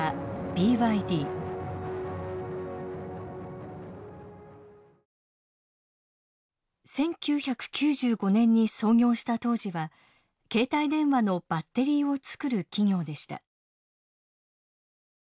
１９９５年に創業した当時は携帯電話のバッテリーを作る企業でした。